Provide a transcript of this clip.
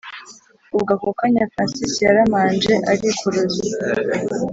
ubwo ako kanya francis yaramanje arikoroza